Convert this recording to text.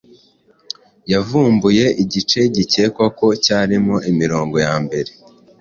yavumbuye igice gikekwa ko cyarimo imirongo ya mbere